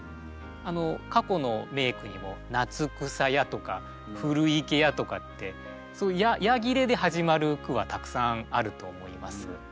過去の名句にも「夏草や」とか「古池や」とかって「や切れ」で始まる句はたくさんあると思います。